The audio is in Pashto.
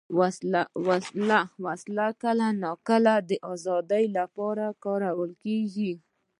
وسله کله ناکله د ازادۍ لپاره کارېږي